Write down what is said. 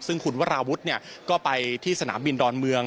ซึ่งคุณวราวุฒิก็ไปที่สนามบินดอนเมือง